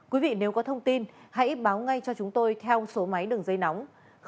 quý vị nếu có thông tin hãy báo ngay cho chúng tôi theo số máy đường dây nóng